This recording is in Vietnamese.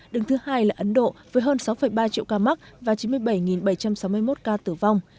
đứng thứ hai là ấn độ với hơn sáu ba triệu ca mắc và chín mươi bảy bảy trăm sáu mươi một ca tử vong